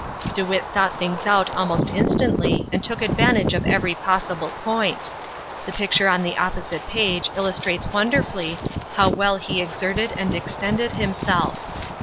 DeWitt thought things out almost instantly and took advantage of every possible point. The picture on the opposite page illustrates wonderfully well how he exerted and extended himself.